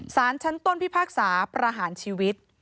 สารชั้นต้นพิพากษาประหารชีวิต